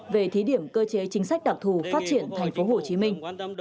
về thí điểm cơ chế chính sách đặc thù phát triển thành phố hồ chí minh